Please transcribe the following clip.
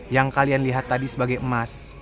yang kalian lihat tadi sebagai emas